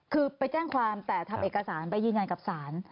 คือไปแจ้งความแต่ทำเอกสารไปยืนยันกับศาล